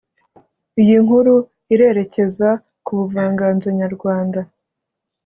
iyinkuru irerekeza kubuvanganzo nyarwanda